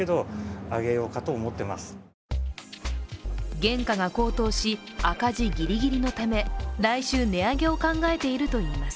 原価が高騰し、赤字ぎりぎりのため来週値上げを考えているといいます。